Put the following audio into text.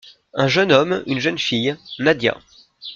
Un jeune homme, une jeune fille, Nadia.